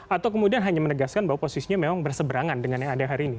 atau kemudian hanya menegaskan bahwa posisinya memang berseberangan dengan yang ada hari ini